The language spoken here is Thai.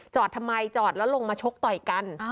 ทำไมจอดแล้วลงมาชกต่อยกัน